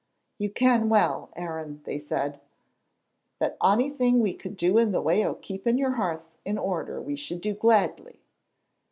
"You ken well, Aaron," they said, "that onything we could do in the way o' keeping your house in order we should do gladly."